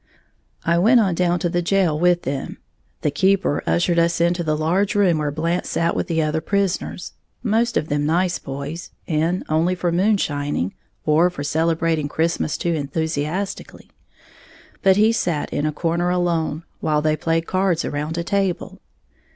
I went on down to the jail with them. The keeper ushered us into the large room where Blant sat with the other prisoners (most of them nice boys, in only for moonshining, or for celebrating Christmas too enthusiastically); but he sat in a corner alone, while they played cards around a table.